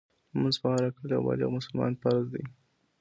لمونځ په هر عاقل او بالغ مسلمان فرض دی .